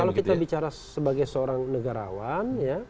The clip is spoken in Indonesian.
kalau kita bicara sebagai seorang negarawan